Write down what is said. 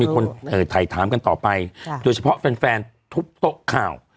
มีคนเอ่อถ่ายถามกันต่อไปค่ะโดยเฉพาะแฟนแฟนทุบตกข่าว